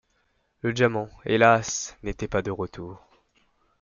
Le diamant, hélas! n’était pas de retour.